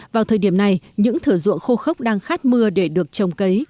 vào thời điểm này những thửa ruộng khô khốc đang khát mưa để được trồng cấy